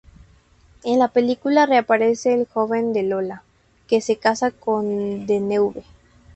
En la película reaparece el joven de "Lola", que se casa con Deneuve.